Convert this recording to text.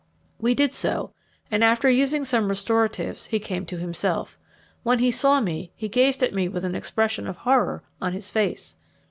We did so, and after using some restoratives, he came to himself. When he saw me he gazed at me with an expression of horror on his face.